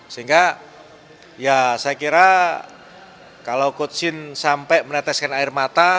sehingga ya saya kira kalau coach scene sampai meneteskan air mata